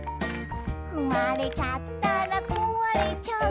「ふまれちゃったらこわれちゃう」